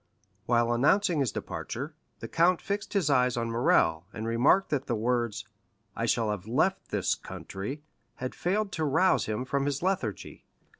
While announcing his departure, the count fixed his eyes on Morrel, and remarked that the words, "I shall have left this country," had failed to rouse him from his lethargy.